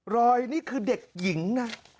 นี่คือเด็กหญิงนะ